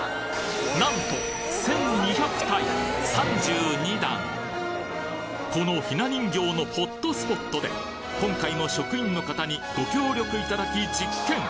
なんとこのひな人形のホットスポットで今回も職員の方にご協力いただき実験